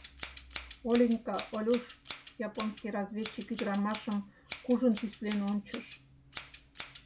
Оленька, Олюш, — японский разведчик ӱдырамашым кужун тӱслен ончыш.